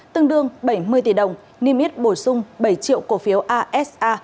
tương đương bảy mươi tỷ đồng niêm yết bổ sung bảy triệu cổ phiếu asa